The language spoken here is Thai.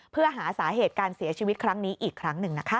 เพื่อหาสาเหตุการเสียชีวิตครั้งนี้อีกครั้งหนึ่งนะคะ